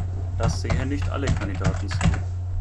Das sehen nicht alle Kandidaten so.